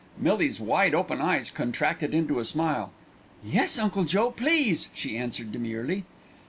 Millie's wide open eyes contracted into a smile. "Yes, Uncle Joe, please," she answered demurely.